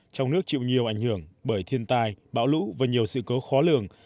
trong nước chịu nhiều ảnh hưởng bởi thiên tai bão lũ và nhiều sự cố khó lường